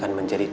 terima kasih pak